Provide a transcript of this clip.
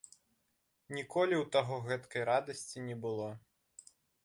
Ніколі ў таго гэткай радасці не было.